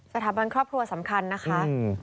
สถาบันครอบครัวสำคัญนะคะ